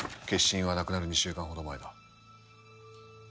消印は亡くなる２週間ほど前だ。